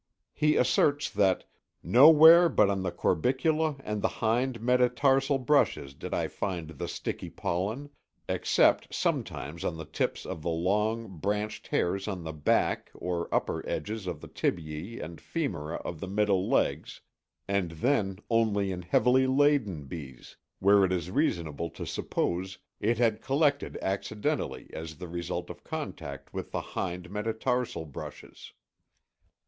He asserts that "nowhere but on the corbicula and hind metatarsal brushes did I find the sticky pollen, except sometimes on the tips of the long, branched hairs on the back (upper) edges of the tibiæ and femora of the middle legs, and then only in heavily laden bees, where it is reasonable to suppose it had collected accidentally as the result of contact with the hind metatarsal brushes."